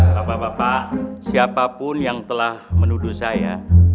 bapak bapak siapapun yang telah menuduh saya